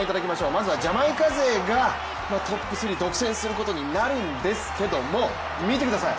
まずはこのジャマイカ勢が、トップ３独占することになるんですけども、見てください。